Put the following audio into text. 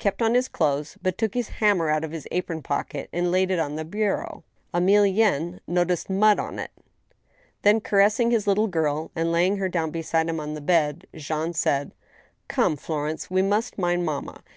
kept on his clothes, but took his hammer out of his apron pocket and laid it on the bureau. Emilienne noticed mud upon it. Th^n, caressing his little girl and laying her down beside him on the bed, Jean said :*• Come, Florence, we must mind mamma.